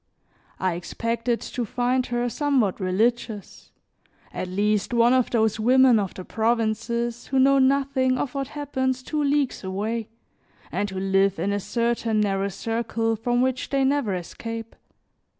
I expected to find her somewhat religious, at least one of those women of the provinces who know nothing of what happens two leagues away, and who live in a certain narrow circle from which they never escape.